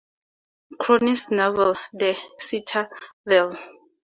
Cronin's novel, "The Citadel".